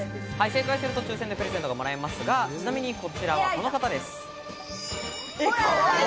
正解すると抽選でプレゼントがもらえますが、ちなみにこちらはこの方です。